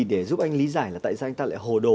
để giúp anh lý giải là tại sao anh ta lại hồ đồ